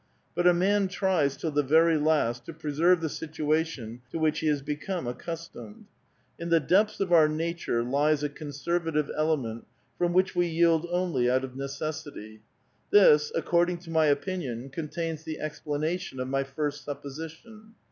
But a man tries till the very last to preserve the situation to which he has become accustomed. In the depths of our nature lies a conservative element from which we yield only out of necessity. This, according to my opinion, contains the explanation of my first supposition.